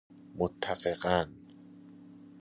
متفقا ً